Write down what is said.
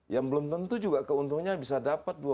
yang belum tentu juga keuntungannya bisa dapat